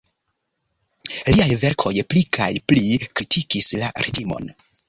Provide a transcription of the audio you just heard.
Liaj verkoj pli kaj pli kritikis la reĝimon.